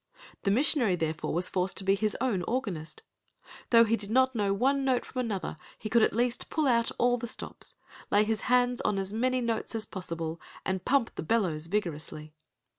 The missionary therefore was forced to be his own organist. Though he did not know one note from another, he could at least pull out all the stops, lay his hands on as many notes as possible, and pump the bellows vigorously.